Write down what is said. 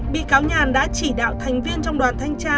bị cáo nhàn đã chỉ đạo thành viên trong đoàn thanh tra